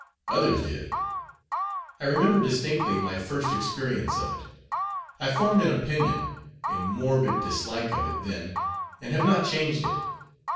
Others did. I remember distinctly my first experience of it. I formed an opinion, a morbid dislike of it then, and have not changed it.